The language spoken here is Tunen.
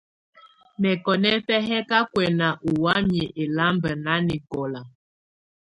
Mɛkɔnɛfɛ yɛ ka kuɛ̀na ɔ wamɛ̀á ɛlamba nanɛkɔla.